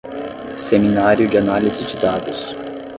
Seminário de análise de dados